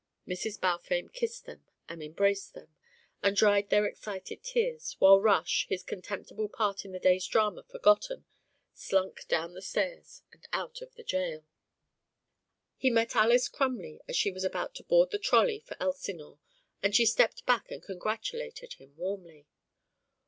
Mrs. Balfame kissed them and embraced them, and dried their excited tears, while Rush, his contemptible part in the day's drama forgotten, slunk down the stairs and out of the jail. He met Alys Crumley as she was about to board the trolley for Elsinore, and she stepped back and congratulated him warmly.